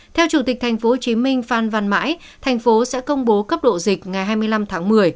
theo chủ tịch tp hcm phan văn mãi thành phố sẽ công bố cấp độ dịch ngày hai mươi năm tháng một mươi